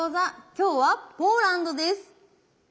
今日はポーランドです。